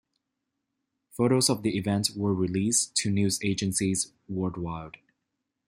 Photos of the event were released to news agencies worldwide.